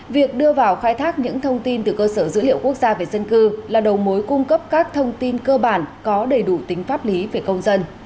việc đưa vào khai thác những thông tin từ cơ sở dữ liệu quốc gia về dân cư là đầu mối cung cấp các thông tin cơ bản có đầy đủ tính pháp lý về công dân